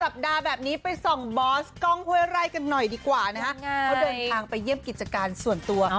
แบบนี้ไปส่องบอสกล้องห้วยไร่กันหน่อยดีกว่านะฮะเขาเดินทางไปเยี่ยมกิจการส่วนตัว